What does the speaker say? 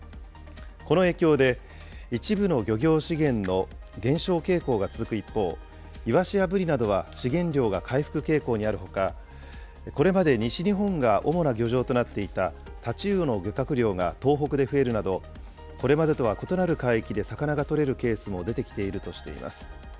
この影響で、一部の漁業資源の減少傾向が続く一方、イワシやブリなどは資源量が回復傾向にあるほか、これまで西日本が主な漁場となっていたタチウオの漁獲量が東北で増えるなど、これまでとは異なる海域で魚が取れるケースも出てきているとしています。